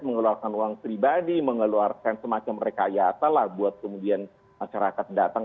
mengeluarkan uang pribadi mengeluarkan semacam rekayasa lah buat kemudian masyarakat datang